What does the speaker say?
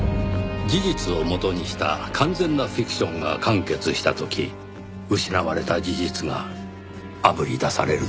「事実を元にした完全なフィクションが完結した時失われた事実があぶり出されるだろう」。